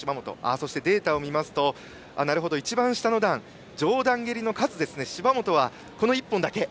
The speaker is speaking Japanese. そしてデータを見ると一番下の段、上段蹴りの数芝本は、この１本だけ。